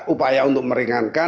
upaya untuk meringankan